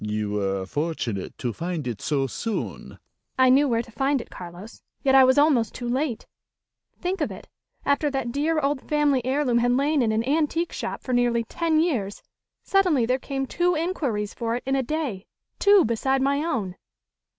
"You were fortunate to find it so soon." "I knew where to find it, Carlos; yet I was almost too late. Think of it, after that dear old family heirloom had lain in an antique shop for nearly ten years suddenly there came two inquiries for it in a day, two beside my own.